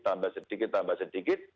tambah sedikit tambah sedikit